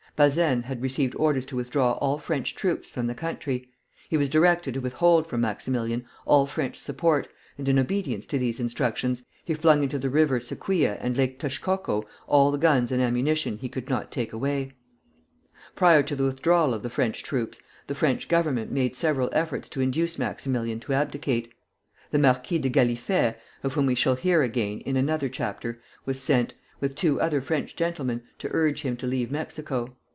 Bazaine had received orders to withdraw all French troops from the country. He was directed to withhold from Maximilian all French support, and in obedience to these instructions he flung into the river Sequia and Lake Texcoco all the guns and ammunition he could not take away. [Footnote 1: Prince Salm Salm, Diary in Mexico.] Prior to the withdrawal of the French troops, the French Government made several efforts to induce Maximilian to abdicate. The Marquis de Gallifet (of whom we shall hear again in another chapter) was sent, with two other French gentlemen, to urge him to leave Mexico.